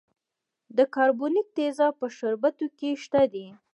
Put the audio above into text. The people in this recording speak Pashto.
د کاربونیک تیزاب په شربتونو کې شته دی.